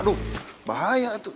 aduh bahaya tuh